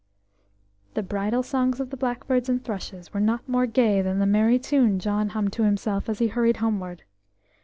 The bridal songs of the blackbirds and thrushes were not more gay than the merry tune John hummed to himself as he hurried homeward.